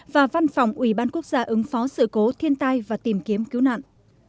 và văn phòng ủy ban quốc gia ứng phó sự cố thiên tai và tìm kiếm cứu nạn